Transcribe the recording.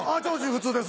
普通です。